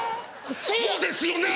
「そうですよね！」